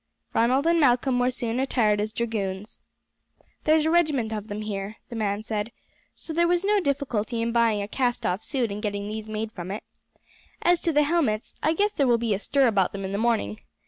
Ronald and Malcolm were soon attired as dragoons. "There's a regiment of them here," the man said, "so there was no difficulty in buying a cast off suit and getting these made from it. As to the helmets, I guess there will be a stir about them in the morning.